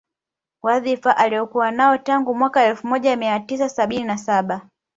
Wadhifa Aliokuwa nao tangu mwaka elfu moja mia tisa sabini na saba